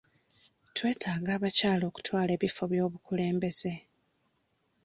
Twetaaga abakyala okutwala ebifo by'obukulembeze.